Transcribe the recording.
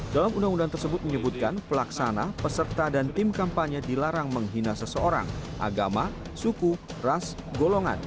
dalam undang undang tersebut menyebutkan pelaksana peserta dan tim kampanye dilarang menghina seseorang agama suku ras golongan